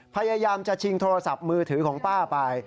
พยายามจะชิงโทรศัพท์มือถือของป้าไป